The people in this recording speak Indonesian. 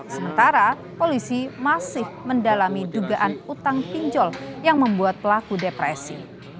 sementara polisi masih mendalami dugaan utang pinjol yang membuat pelaku depresi